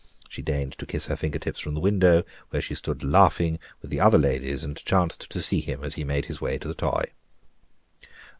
She deigned to kiss her fingertips from the window, where she stood laughing with the other ladies, and chanced to see him as he made his way to the "Toy."